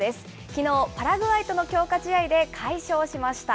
きのう、パラグアイとの強化試合で快勝しました。